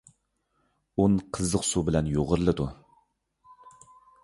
ئۇن قىزىق سۇ بىلەن يۇغۇرۇلىدۇ.